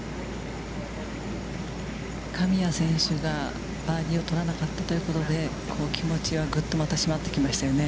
神谷選手がバーディーを取らなかったということで、気持ちは、ぐっとまた、締まってきましたよね。